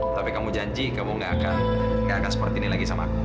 tapi kamu janji kamu gak akan seperti ini lagi sama aku